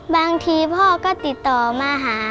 บางทีพ่อก็ติดต่อมาหา